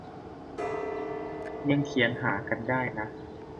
ยังเขียนหากันได้นะ